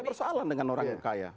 ada persoalan dengan orang kaya